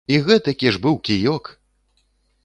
І гэтакі ж быў кіёк!